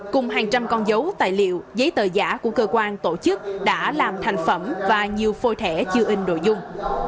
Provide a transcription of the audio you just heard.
cùng hàng trăm con dấu tài liệu giấy tờ giả của cơ quan tổ chức đã làm thành phẩm và nhiều phôi thẻ chưa in đồ dung